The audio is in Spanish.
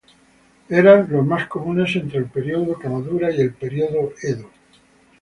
Eran los más comunes entre el período Kamakura y el período Edo.